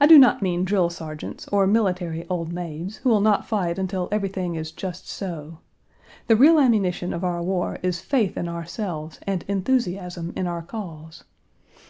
I do not mean drill sergeants or military old maids, who will not fight until everything is just so. The real ammunition of our war is faith in ourselves and enthusiasm in our cause.